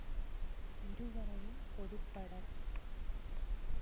இருவரையும் பொதுப்படக்